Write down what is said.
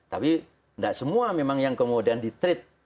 tapi nggak semua memang yang kemudian diterapi